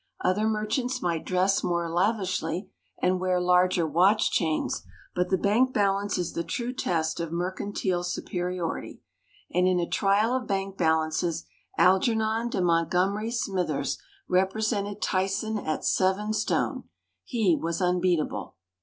Other merchants might dress more lavishly, and wear larger watch chains; but the bank balance is the true test of mercantile superiority, and in a trial of bank balances Algernon de Montgomery Smythers represented Tyson at seven stone. He was unbeatable.